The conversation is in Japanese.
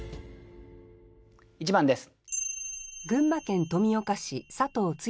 １番です。